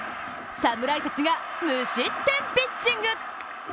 侍たちが無失点ピッチング。